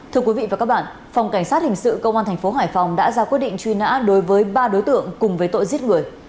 tiếp theo là những thông tin